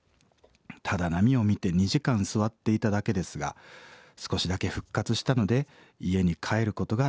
ただ波を見て２時間座っていただけですが少しだけ復活したので家に帰ることができました。